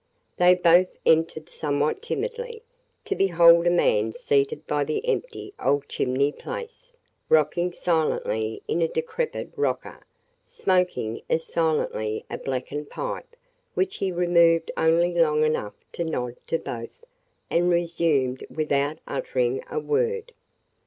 They both entered somewhat timidly, to behold a man seated by the empty old chimney place, rocking silently in a decrepit rocker, smoking as silently a blackened pipe which he removed only long enough to nod to both and resumed without uttering a word.